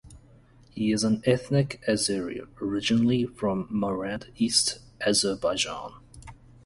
He is an ethnic Azeri originally from Marand, East Azerbaijan.